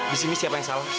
di sini siapa yang salah